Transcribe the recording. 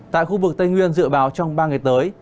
tại khu vực tây nguyên dự báo trong ba ngày tới